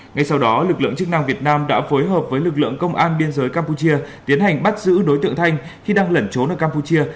ngay sau đó lực lượng chức năng việt nam đã phối hợp với lực lượng công an biên giới campuchia tiến hành bắt giữ đối tượng thanh khi đang lẩn trốn ở campuchia